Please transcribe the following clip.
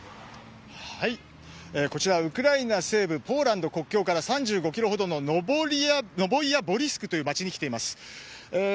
こちら、ウクライナ西部ポーランド国境から３５ｋｍほどの街に来ています。